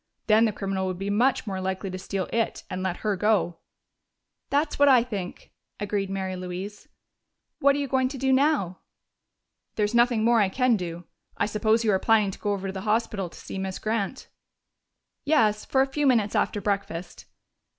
Then the criminal would be much more likely to steal it and let her go." "That's what I think," agreed Mary Louise.... "What are you going to do now?" "There's nothing more I can do. I suppose you are planning to go over to the hospital to see Miss Grant?" "Yes, for a few minutes after breakfast.